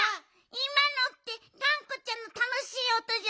いまのってがんこちゃんのたのしいおとじゃない？